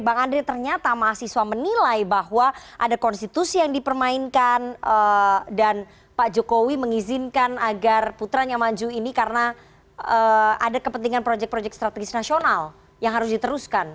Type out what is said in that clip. bang andre ternyata mahasiswa menilai bahwa ada konstitusi yang dipermainkan dan pak jokowi mengizinkan agar putranya maju ini karena ada kepentingan projek projek strategis nasional yang harus diteruskan